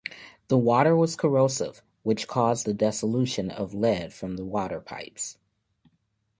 The water was corrosive which caused the dissolution of lead from water pipes.